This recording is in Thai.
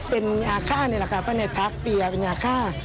เป็นยากคานะครับก็เนี่ยตักเปลี่ยร์เป็นยากคา